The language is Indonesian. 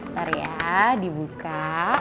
ntar ya dibuka